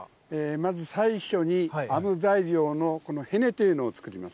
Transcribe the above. まず最初に、編む材料のこのヘネというのを作っていきます。